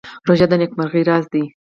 روژه د نېکمرغۍ راز دی.